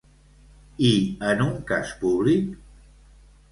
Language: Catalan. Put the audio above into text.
I en un cas públic?